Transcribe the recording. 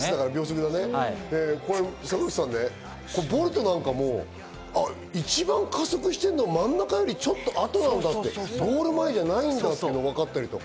坂口さんね、ボルトなんかも一番加速してるのは真ん中よりちょっと後なんだなって、ゴール前じゃないんだなって分かったりとか。